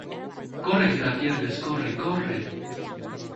¡ corre que te la pierdes, corre! ¡ corre !